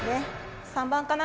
３番かな？